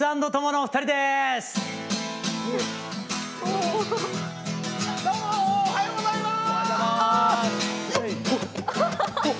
おはようございます。